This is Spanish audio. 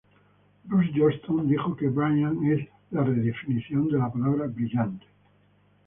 Bruce Johnston dijo que Brian es: "la redefinición de la palabra brillante".